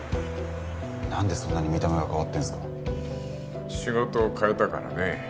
なんでそんなに見た目が変わってんすか仕事を変えたからね